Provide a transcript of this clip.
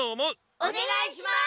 おねがいします！